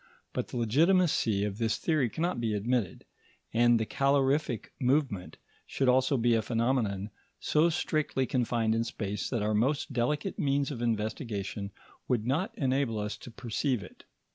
But the legitimacy of this theory cannot be admitted, and the calorific movement should also be a phenomenon so strictly confined in space that our most delicate means of investigation would not enable us to perceive it.